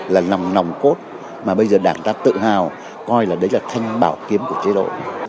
là nằm nòng cốt mà bây giờ đảng ta tự hào coi là đấy là thanh bảo kiếm của chế độ